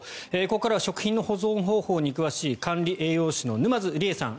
ここからは食品の保存方法に詳しい管理栄養士の沼津りえさん